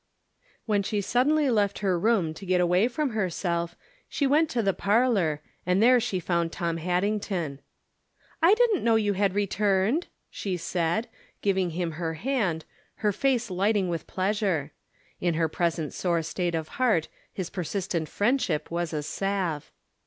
When she suddenly left her room to get away from herself, she went to the parlor, and there she found Tom Haddington. " I didn't know you had returned !" she said, giving him her hand, her face lighting with plea sure. In her present sore state of heart, his per sistent friendship was a salve.